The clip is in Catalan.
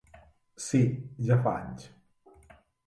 Sí, ja fa anys.